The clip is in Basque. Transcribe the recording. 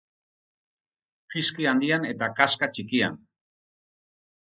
Kiski handian eta kaska txikian.